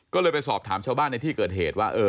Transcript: ก็เลยไปสอบถามชาวบ้านในที่เกิดเหตุว่า